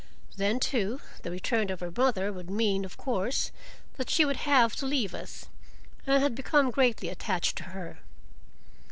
Then, too, the return of her mother would mean, of course, that she would have to leave us, and I had become greatly attached to her.